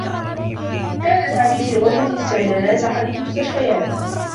كان سامي في غرفة استعجالات أحد المستشفيات.